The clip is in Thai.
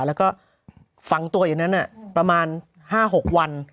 แล้วก็ฝังตัวอยู่นั้นประมาณ๕๖วัน